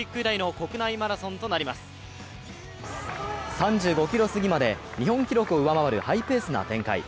３５ｋｍ過ぎまで日本記録を上回るハイペースな展開。